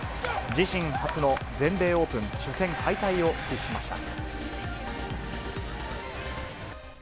自身初の全米オープン初戦敗退を喫しました。